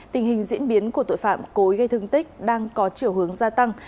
tình hình diễn biến của tội phạm cối gây thương tích đang có chiều hướng gia tăng